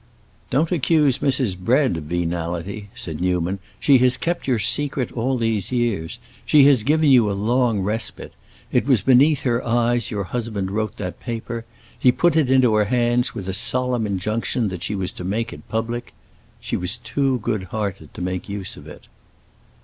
"Don't accuse Mrs. Bread of venality," said Newman. "She has kept your secret all these years. She has given you a long respite. It was beneath her eyes your husband wrote that paper; he put it into her hands with a solemn injunction that she was to make it public. She was too good hearted to make use of it."